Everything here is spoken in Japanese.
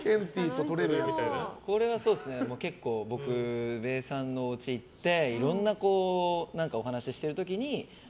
これは、結構僕、べーさんのうちに行っていろんなお話してる時に。